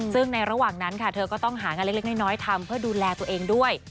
ซึ่งในระหว่างนั้นค่ะเธอก็ต้องหางานเล็กน้อยทำเพื่อดูแลตัวเองด้วย